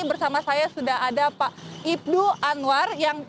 bersama saya sudah ada pak ibnu anwar